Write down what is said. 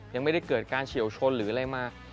ยังไม่ได้เกิดการเฉียวชนหรืออะไรมา